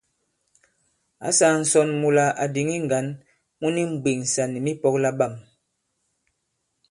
Ǎ sāā ǹsɔn mula à dìŋi ŋgǎn mu ni mbwèŋsà nì mipɔ̄k laɓâm.